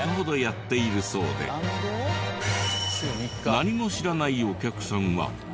何も知らないお客さんは。